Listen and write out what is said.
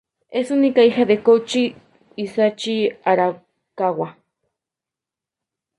Es hija única de Koichi y Sachi Arakawa.